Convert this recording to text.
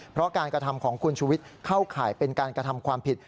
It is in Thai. เพราะการกระทำของคุณชุวิตเข้าข่ายเป็นการกระทำความผิด